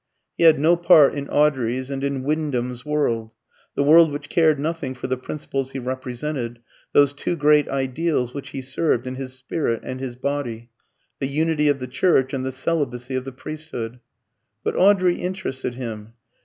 He had no part in Audrey's and in Wyndham's world, the world which cared nothing for the principles he represented, those two great ideals which he served in his spirit and his body the unity of the Church and the celibacy of the priesthood. But Audrey interested him.